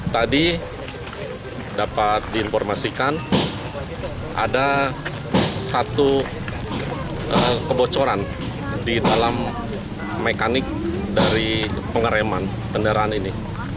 tadi dapat diinformasikan ada satu kebocoran di dalam mekanik dari pengereman kendaraan ini